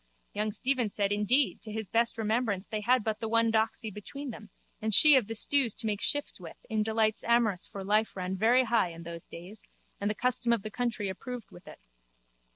Young Stephen said indeed to his best remembrance they had but the one doxy between them and she of the stews to make shift with in delights amorous for life ran very high in those days and the custom of the country approved with it.